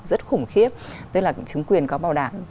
rất khủng khiếp tức là chứng quyền có bảo đảm